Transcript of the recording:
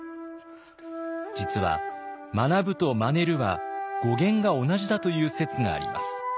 実は「学ぶ」と「まねる」は語源が同じだという説があります。